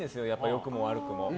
良くも悪くも。